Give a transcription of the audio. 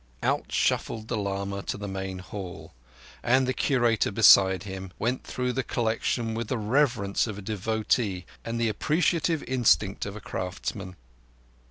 Out shuffled the lama to the main hall, and, the Curator beside him, went through the collection with the reverence of a devotee and the appreciative instinct of a craftsman.